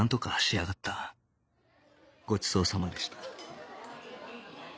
ごちそうさまでした